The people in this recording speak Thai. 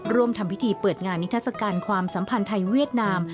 ทำพิธีเปิดงานนิทัศกาลความสัมพันธ์ไทยเวียดนาม